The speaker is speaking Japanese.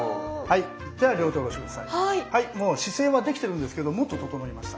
姿勢はできてるんですけどもっと整いました。